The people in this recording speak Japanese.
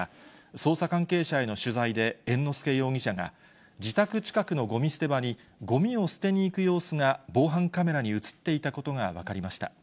捜査関係者への取材で、猿之助容疑者が、自宅近くのごみ捨て場にごみを捨てに行く様子が、防犯カメラに写っていたことが分かりました。